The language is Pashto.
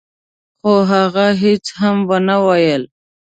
خو هغه هيڅ هم ونه ويل.